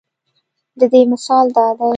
د دې مثال دا دے